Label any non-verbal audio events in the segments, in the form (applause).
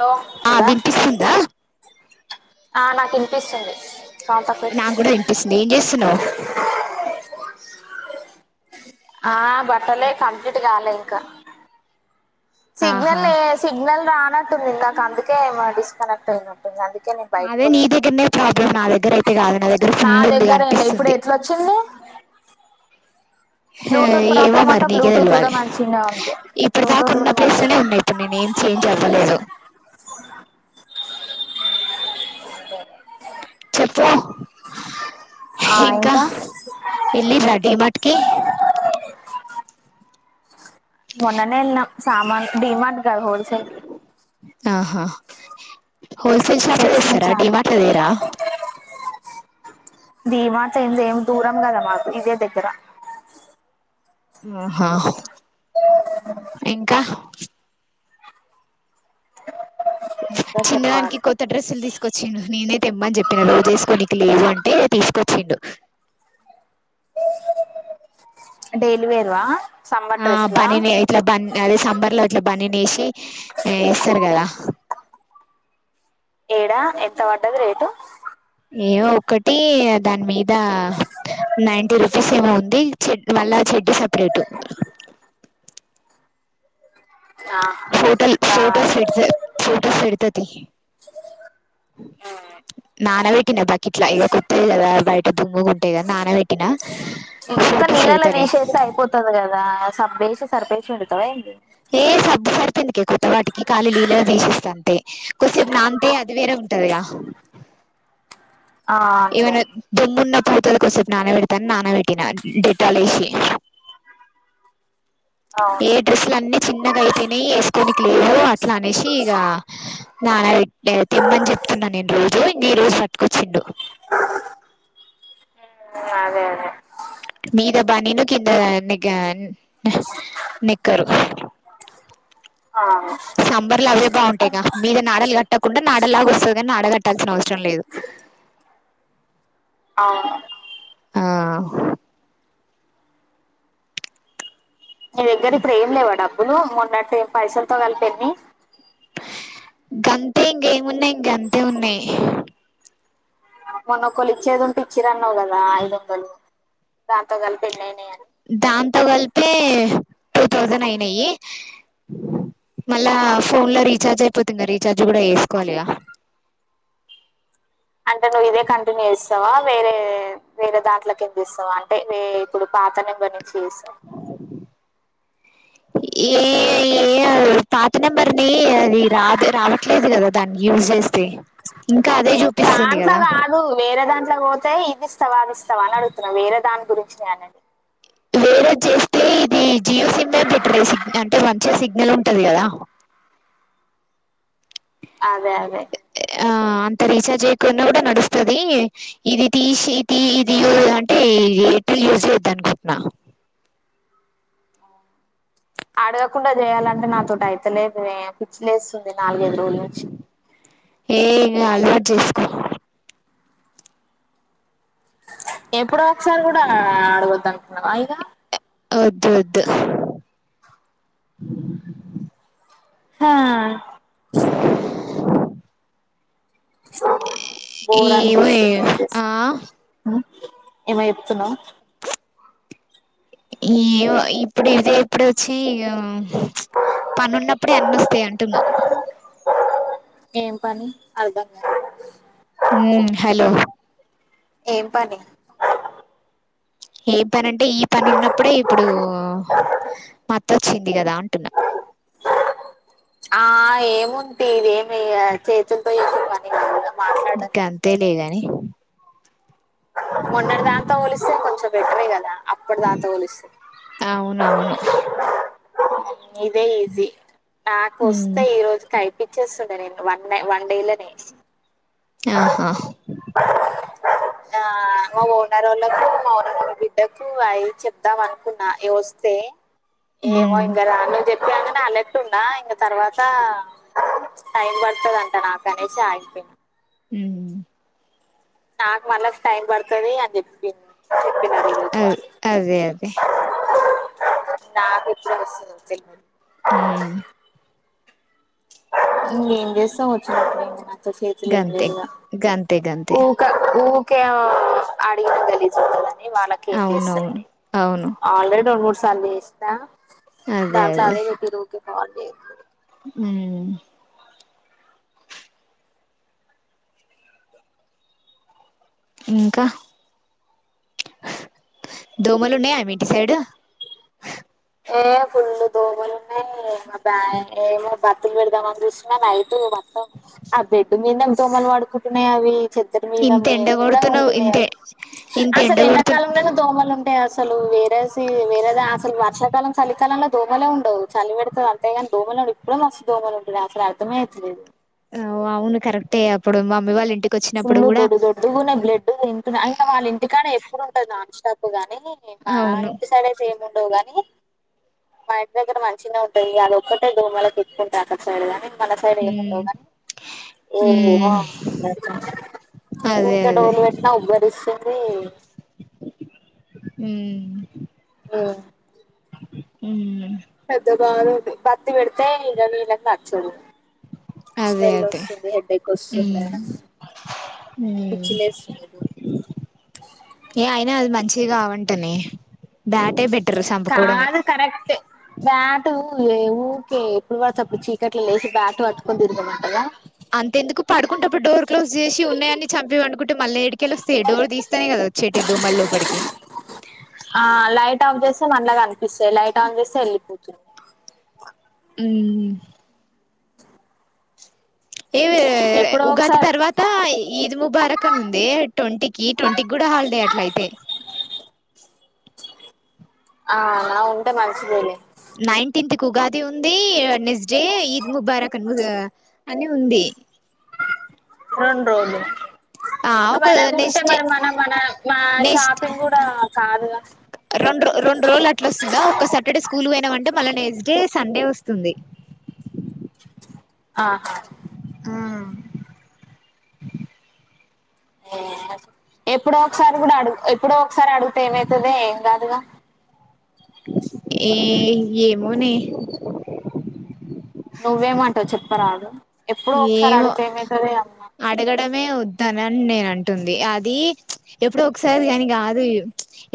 hello ఆ వస్తుందా వినిపిస్తుందా ఆ నాకు ఇనిపిస్తుంది నాకు కూడా వినిపిస్తుంది ఏం చేస్తున్నావ్ ఆ బట్టలే కంప్లీట్ కాలె ఇంకా సిగ్నల్ ఆహా లేదు సిగ్నల్ రా అన్నట్ ఉంది ఇందక అందుకే డిస్కనెక్ట్ అయినట్టుంది అందుకే నేను బయటకు అదే నీ వచ్చినా దగ్గరనే ప్రాబ్లం నా దగ్గర అయితే కాదు నా దగ్గర ఫుల్ ఉంది దగ్గర ఏం లే ఇప్పుడు అనిపిస్తుంది ఎట్లా వచ్చింది ఆ బ్లూటూత్ ఏమో ప్రాబ్లమ్ అంట మరి నీకే బ్లూటూత్ కూడా తెలవాలి మంచిగానే ఉంది ఇప్పుడు బ్లూటూత్ దాకున్న కూడా మంచిగా ప్లేస్లనే ఉంది ఉన్నాయి ఇప్పుడు నేను ఏం చేంజ్ అవ్వలేదు అ చెప్పు ఇంకా ఎల్లి రెడి మట్కి మొన్ననే ఇల్న సామాన్ డిమాండ్ ఆహా హోల్సేల్ షాప్ తెచ్చినాం అదస్తారా డిమార్ట్ అదరా ధీమాట్యింద ఏమి దూరం కదా మాకు ఇదే దగ్గర ఆహా ఇంకా ఇంకా చిన్నడానికి చెప్పాలి కొత్త డ్రెస్సులు తీసుకొచ్చిను నేనైతే తెమ్మని చెప్పినను రోజు చేసుకో నకు లేదు అంటే తీసుకొచ్చిండు డెలి వేరువా ఆ పని ఇట్లా బ అదే సమ్బర్ లో ఇట్లా పని నేసి ఆ ఇస్తర్గలా ఏడా ఎంత వాటది రేటు ఏమో ఒకటి దాని మీద నైటీ రూపీస్ ఏమో ఉంది చె మళ్ళా చెడ్డ సపరేట్ ఆహా ఫోటో బాయ్ ఫోటోస్ ఫోటోస్ ఎతు నానవకి బాకట్లా ఇక కొత్త ఇక్క ఫొటోస్ నీళ్ళలా పెడతలే తీసేస్తే అయిపోతుది కదా సబేసి సరిపేసి ఉడుతావ అడి ఏ సబ్దు సరితుందికే కొత్త వాటికి ఖళీ నీళ్ళగా తీసేస్త అంతే కొద్స నాంతే అది వేరే ఉంటదిగా ఆ అంతే ఏమన్న దమ్ము పూతలకి వసేపు నాన పెడతాను నాన పెట్టిన డెట్టాల వేసి అవును ఏ డ్రెస్లు అన్ని చిన్నగా అయితేనే వేసుకోనినికి లేదు అట్లా అనేసి ఇక నా తిమ్మని చెప్తున్నాను నేను రోజు న రోజు పటుకొచ్చిండు అదే అదే మీ ద బానీను కింద ని నిక్కరు అవును సంబర్ల అవే బావుంటాయి కదా మీద నాడాలు కట్టుకోవడం కట్టకుండా నాడలాగ వస్తుందని నాడ కట్టాల్సిన అవసరం లేదు అవును ఆ మీ దగ్గర ఇప్పుడు ఏం లేవా డబ్బులు మొన్నట్టు ఏం పైసలు మొత్తం కలిపి ఎన్ని ఇంక అంతే ఇంకేమున్నాయి ఇంక అంతే ఉన్నాయి మొన్నొక్కలు ఇచ్చేది ఉంటే ఇచ్చిర అన్నావు కదా ఐదు వందలు దాంతో కలిపి ఎన్ని అయినాయి అని దాంతో కలిపే టూ థౌజండ్ అయినయి మళ్ళా ఫోన్ లో రీచార్జ్ అయిపోతు క రీచార్జ్ కూడా వేసుకోవాలి ఇగా అంటే నువ్వు ఇదే కంటిన్యూ ఇస్తావా వేరే వేరే దాంట్లో కింద ఇస్తావా అంటే ఇప్పుడు పాత నెంబర్ చేస్తా ఏ పాత నెంబర్ని అది రాదు రావట్లేదు కదా దాన్ని యూజ్ చేస్తే అదే చూపిస్తుంది దాంట్లో కదా కాదు వేరే దాంట్లో పోదు అయితే ఇది ఇస్తావా అది ఇస్తావా అని అడుతున్నాం వేరే దాని గురించి న అనే ది వేరేది చేస్తే ఇది జియో సిమ్ బెటర్ సిగ్నల్ అంటే మంచిగా సిగ్నల్ ఉంటది కదా అదే అదే ఆ అంత రీచార్జ్ అయకుడా కూడా నడుస్తుది ఇది తీసి ఇది అంటే ఎట్లు యూజ్ చెయ్యొద్దు అనుకుంటున్నా అడగకుండా చేయాలంటే నాతోట అయితేలేదు పిచ్చిలేస్తుంది నాలుగైదు రోజుల నుంచి ఏ ఇ అలవాటు చేసుకో ఎప్పుడో ఒకసారి కూడా అడగొద్దు అయినా వద్దు వద్దు హా బోర్ ఏమో ఏమో ఆ ఏమ చెప్తున్నావు ఈ ఇప్పుడు ఇదే ఇప్పుడు వచ్ తీ ఈగ పనిన్నప్పుడే ఎన్న వస్తాయి అంటున్నా ఏం పని అర్థం కాలే ఉ హలో ఏం పని ఏం పని అంటే ఈ పని ఉన్నప్పుడే ఇప్పుడు మా అత్త వచ్చింది కదా అంటున్న ఆ ఏముంటంది ఇది ఏమి చేతులతో చేసే పని మాట్లాడడం ఇంకా అంతే లేగాని మోన్నడ దాకా అంతా హలిస్తే కొంచెం బెటరే కదా అప్పటి దాంతో పోలిస్తే అవునవును ఇదే ఈజీ ఆ ఉమ్ కుస్తా ఈ రోజు కై ఇచ్చేస్తుండే నేను వన్ న వన్ డే లోనే ఆహా ఆ మా ఓనర్ వాళ్ళలకు మా ఓనర్ బిడ్డకు అవి చెప్దాం అనుకున్నా ఇవి వస్తే ఏమో ఉమ్ ఇంకా (unintelligible) గన్నా అలెర్ట్ ఉన్నా ఇంగ తర్వాత టై పడతాదంట నాకనేసి ఆగిపోయినా ఊహూ నాకు మళ్ళ టైం పడుతది అని చెప్పిన్ అది అదే అదే నాకు ఇప్పుడే వస్తుంది తెల్వదు ఊ ఇంకేం చేస్తాం వచ్చినప్పుడు ఏం చేతుల ఏం గంతే లేదు ఇంకా గంతే గంతే ఊక ఊ క అడిగిన కలి వాళ్ళకి ఏం చేస్తా అవునవును అవును ఆల్రెడీ రెండు మూడు చందే ఇస్తా దాంట్ల అదే పెట్టిర్రు అ ఉ ఇంకా దోమలు ఉన్నాయా మీటి సైడ్ ఏ ఫుల్లు దోవలు ఉన్నాయి బ్యా ఏమో బతులు పెడదాం అని చూసిన అైతు ఆ బెడ్డూమీద దోమలు పడుకునే ఉన్నాయి అవి చెద్దడి మీద ఇంత ఎండ మేము కూడా కొడుతున్నావ్ ఉంటున్నాయా ఇంతే ఇంత అసలు ఎండ కొడుతు ఎండాకాలంలోనే దోమలు ఉంటాయి అసలు సలు వేర వేరదా అసలు వర్ష ఇకాలం చలికాలంలో దోమలే ఉండవు చలి పెడతతేందింతేగాని దోమలు ఉండు ఇప్పుడు నస్తు దోమలు ఉండడు అసలుర్మే అవలేదు అవును కరెక్టే అప్పుడు మమ్మీ వాళ్ళంటి ఫుళడు దొడ్డు దొడ్డునే బ్లడ్ త ఇంకా వాళ్ళ ఇంటికానే ఇప్పు ఉంట నపుగా మా అవును ఇంటి సడతే గాని మా ఇంటి దగ్గర మంచిన ఉంటాంది అది ఒక్కటే దోమల తిప్పుకుంటారు అక్క సైడ్ గాని మన సైడ్ ఏముండవు ఉమ్ కానీ ఏ ఉమ్ అదే ఇక అదే డోలు పెట్టినా ఉబ్బరిస్తుంది ఉ ఆ ఉ పెద్దగా పత్ పెడితే ఇద నీల అచ్చు అదే అదే ఎక్ వస్తుంది పిచ్చిలేస్తుంది ఏ అయినా అది మంచి ఇగా వంటనే కాదు కరెక్ట్ే బాట్ కే తిరగమంటదా అంత ఎందుకు పడుకుంటప్పుడు డోర్ క్లోజ్ చేసి ఉన్నాయని చంపిండుకుంట మల అడికి గెలుస్తే డోర్ తీస్తానే కదా వచ్చేటిద్దు మళ్ళపటికి మనల గాల పేలైట్ ఆ సెల్పో చె అ ఏ ఎప్పుడో ఉగాది ఒకసారి తర్వాత ఇది ముబారకన్ ఉంది ట్వంటీకిి ట్వంటీకిి కూడా హాలిడే అట్లా అయి ఆ నా ఉంటే మగసదేవి నైన్టీన్త్ి ఉగాది ఉందిస్ జే ఈద్ ముబారక్ అన్ ము అని ఉంది రెం రోజు ఆ ఒక నెక్స్ట్ మా నెక్స్ట్ షాపింగ్ కూడా కాదుగా రెం రెండు రోజులు అట్లా వస్తుందా ఒక సాటర్డే స్కూల్ పోయినా అంటే మళ్ళ నెక్స్ట్ డే సండే వస్తుంది ఆ ఆ ఎప్పుడో ఒకసారి కూడా అడుగు ఎప్పుడో ఒక సార్ అడుగుతే ఏమ అవుతుదదిేం గ అదుగా ఏ ఏమోని నువ్వే మాంటవ్ చత్ప్పరా అ ఏం అమ్మా అడగడమే వద్దు తనని నేన అంటుంది అది ఎప్పుడు ఒకసారి కాని కాదు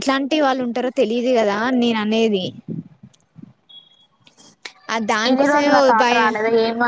ఎట్లాంటి వాళ్ళు ఉంటారో తెలిదు కదా నేన అనేది ఆ ఇది దానికోసమే రోజులు తోట భయ రాలేదుా ఏం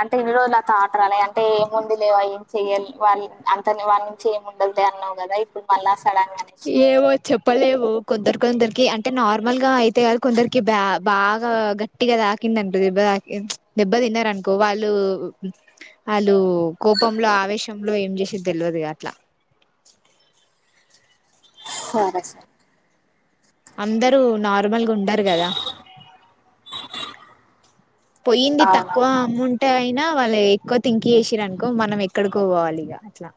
అంటే ఇన్ని రజులత అ అనే అంటే ఏముంది లేవ అవి చెయ్యాలి వాళ అంత వాళ నుంచి ఏముండాలద అన్నావు కదా ఇప్పుడు మళ్ళా సడన్ గా అనేసి ఏవో చెప్పలే ఏవో కొందరు కొందరికి అంటే నార్మల్ గా అయితే కొందరికి బా బాగా గట్టిగా తాకింద దెబ్బ తా దెబ్బ తిన్నారనుకో వాళ్ళు కోపంలో ఆవేశం లో ఏం చేసిది తెలియదుగా అట్లా స స అందరుూ న నర్మల్గా ఉండారు కదా పొయయింది అవునా తక్కువమ్ముంట అయినా వాళ్ళు ఎక్కువ థింక్ చేసిరనుకో మనం ఎక్కడికో పోవాలిక అట్లా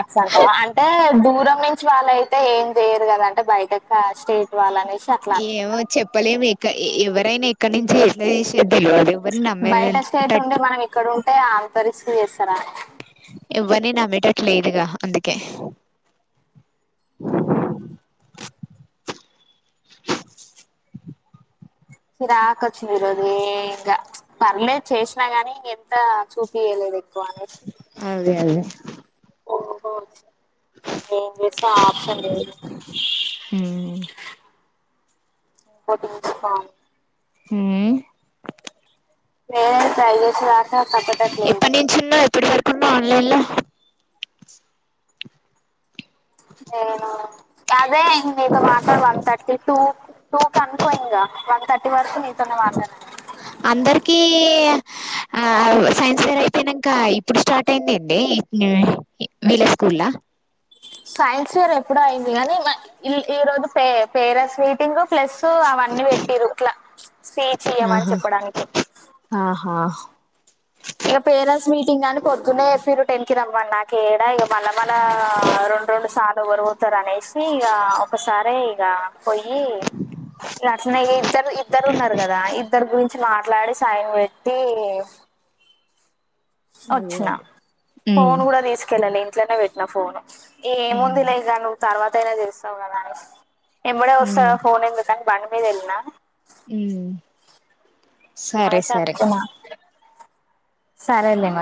అసంత అంటే దూరం వాళ్ళయితే ఏం చేయరు కదంటే బయట స్టేట్ వాళ్ళనే ఏమో చెప్పలేము ఇ ఎవరైనా ఇక్కడ నుంచి ఎట్లా పెందలాడే పోయి నమ్మేటట్ టే ఆంత రిస్క్ చేస్తారా ఎవ్వరిని నమ్మేటట్ లేదుగా అందుకే చీరాకొచ్చింది ఈరోజు అదే ఇంకా పర్లేదు చేసినాగానీ ఇక ఎంత చూపియలేదు ఎక్కువ అదే అదే ఓహో ఫోన్ చేసే ఆప్షన్ లేదు ఉమ్ పొద్దున్నుంచి ఫోన్ హ్మ్ వేడ చాయి తీసుకురాక ఎప్పటి నుంచిన్నా ఎప్పుటి వర ఉందా ఆన్లైన్ ల నేను అదే ఇంక మీతో మాట్లాడి వన్ థర్టీ టూ నాకునుకో ఇంగా వన్ థర్టీ వరకు నీతోనే మాట్లా (inaudible) అందరికీ ఆ సైన్స్ వర్ అయిపోయినాంక ఇప్పుడు స్టార్ట్ అయిందిండి (unintelligible) వీళ్ళ స్కూల్ లో సైన్స్ ఫేర్ ఎప్పుడో అయింది గానీ నా ఈ ఈరోజు పే పేరస్ మీటింగ్ ప్లస్ అవన్నీ పెట్టిరు ఇట్లా ఫే చేయ్యమని ఆహా చెప్పడానికి ఆహా ఇగ పేరస్స్ మీటింగ్ అని పొద్దున్నే (inaudible) టెన్ కి రమ్ (unintelligible) వల వల మళ రెండు రెండు సార్ ఎవరు వొతారు అనేసి ఇగ ఒక్కసారే ఇగ పొయ్యి ఇగ అట్నే ఇద్దరు ఇద్దరూ ఉన్నారు గదా ఇద్దరు గు చి మాట్లాడి సైన్ పెట్టి అదే వచ్చిన అదే ఉమ్ ఫోన్ కూడా తీసుకెళ్ళలే ఇంట్లనే బెట్టిన ఫోన్ ను ఉమ్ ఏముందిలే ఇగ నువ్వు తర్వాత్ తారా తీస్తాం అని అన్స్ ఇప్పుడె ఉమ్ వస్తావా ఫోన్ ఎందుకు అని బండి మీద వెళ్లిన మ్మ్ సరే అనేసి సరే అనుకున్నా సరేలే మరి